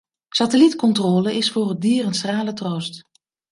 Satellietcontrole is voor het dier een schrale troost.